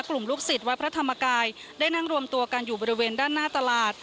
ลูกศิษย์วัดพระธรรมกายได้นั่งรวมตัวกันอยู่บริเวณด้านหน้าตลาด